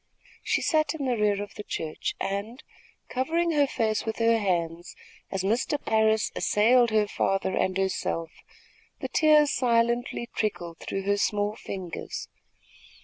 She sat in the rear of the church, and, covering her face with her hands as Mr. Parris assailed her father and herself, the tears silently trickled through her small fingers.